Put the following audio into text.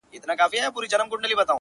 خو یو بل وصیت هم سپي دی راته کړی.